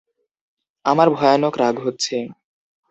আমার ভয়ানক রাগ হচ্ছে।